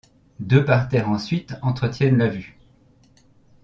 Deux parterres ensuite entretiennent la vue.